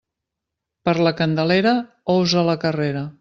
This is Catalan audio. Per la Candelera, ous a la carrera.